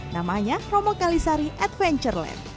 namanya romo kalisari adventureland